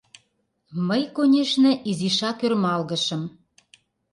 Мый, конешне, изишак ӧрмалгышым.